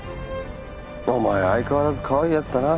お前は相変わらずかわいいヤツだな。